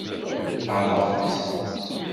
Ɣaḍeɣ-tt?